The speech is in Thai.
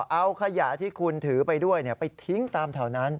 เอาขยะที่คุณถือไปด้วยไปทิ้งตามแถวนั้น